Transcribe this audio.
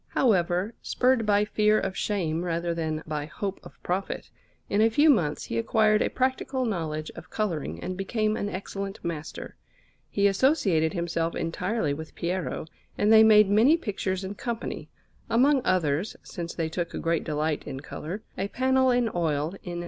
However, spurred by fear of shame rather than by hope of profit, in a few months he acquired a practical knowledge of colouring and became an excellent master. He associated himself entirely with Piero, and they made many pictures in company; among others, since they took great delight in colour, a panel in oil in S.